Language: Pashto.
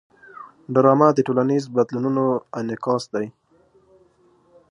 ډرامه د ټولنیزو بدلونونو انعکاس دی